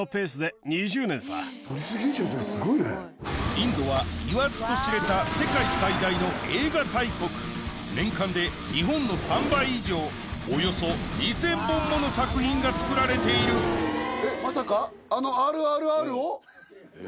インドは言わずと知れた年間で日本の３倍以上およそ２０００本もの作品が作られているまさか。